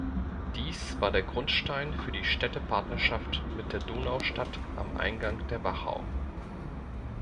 Dies war der Grundstein für die Städtepartnerschaft mit der Donaustadt am Eingang der Wachau.